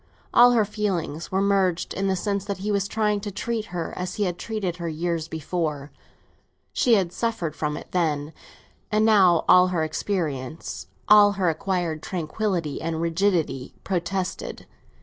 All her feelings were merged in the sense that he was trying to treat her as he had treated her years before. She had suffered from it then; and now all her experience, all her acquired tranquillity and rigidity, protested.